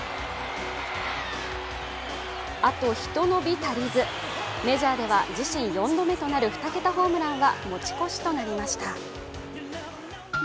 あとひと伸び足りず、メジャーでは自身４度目となる２桁ホームランは持ち越しとなりました。